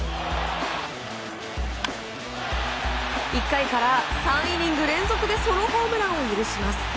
１回から３イニング連続でソロホームランを許します。